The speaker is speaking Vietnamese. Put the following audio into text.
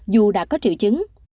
dù đã có triệu chứng